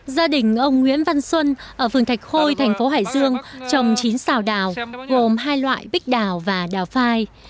gia đình ông nguyễn văn xuân ở phường thạch khôi thành phố hải dương trồng chín xào đào gồm hai loại bích đào và đào phai